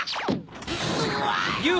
うわ！